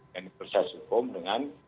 dan bersasukum dengan